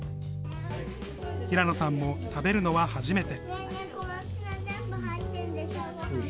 平野さんも食べるのは初めて。